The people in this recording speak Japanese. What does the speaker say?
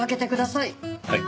はい。